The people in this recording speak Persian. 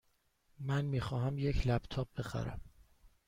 من می خواهم یک لپ تاپ بخرم.